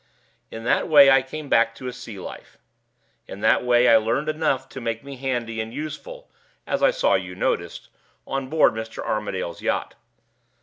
In that way I came back to a sea life. In that way I learned enough to make me handy and useful (as I saw you noticed) on board Mr. Armadale's yacht.